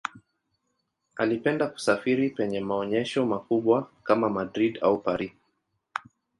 Alipenda kusafiri penye maonyesho makubwa kama Madrid au Paris.